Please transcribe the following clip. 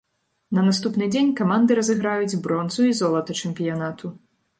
На наступны дзень каманды разыграюць бронзу і золата чэмпіянату.